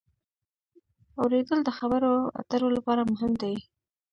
اورېدل د خبرو اترو لپاره مهم دی.